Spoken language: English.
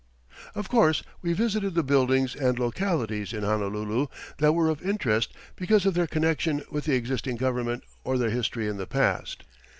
] Of course we visited the buildings and localities in Honolulu that were of interest because of their connection with the existing government or their history in the past.